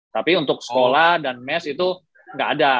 tapi untuk sekolah dan mes itu nggak ada